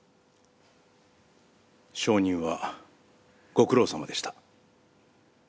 証人はご苦労さまでした。